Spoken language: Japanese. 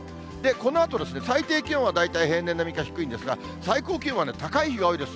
このあとですね、最低気温は大体平年並みか低いんですが、最高気温は高い日が多いです。